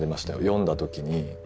読んだ時に。